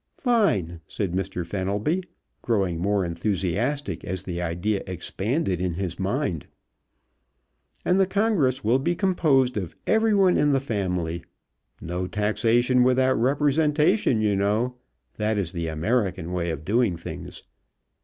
"Fine!" said Mr. Fenelby, growing more enthusiastic as the idea expanded in his mind. "And the congress will be composed of everyone in the family. No taxation without representation, you know that is the American way of doing things.